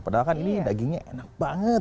padahal kan ini dagingnya enak banget